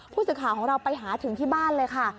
ผู้สื่อข่าวของเราไปหาถึงที่บ้านเลยค่ะ